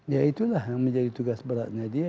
ya itulah yang menjadi tugas beratnya dia